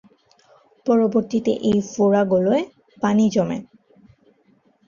পরবর্তীতে এই ফোড়াগুলোয় পানি জমে।